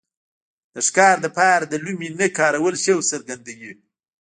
د ښکار لپاره د لومې نه کارول شوق څرګندوي.